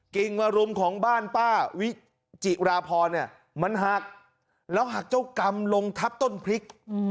กิ่งมารุมของบ้านป้าวิจิราพรเนี่ยมันหักแล้วหักเจ้ากรรมลงทับต้นพริก